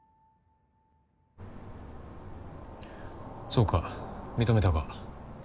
そうか認めたか。